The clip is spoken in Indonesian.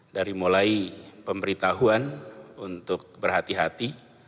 dari mulai pemberitahuan untuk berhati hati